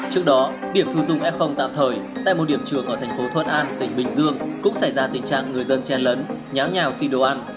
trước đó điểm thu dung f tạm thời tại một điểm trường ở thành phố thuận an tỉnh bình dương cũng xảy ra tình trạng người dân chen lấn nháo nhào xin đồ ăn